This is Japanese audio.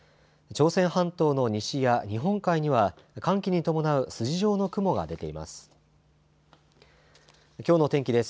朝鮮半島の西や日本海には寒気に伴う筋状の雲が出ています。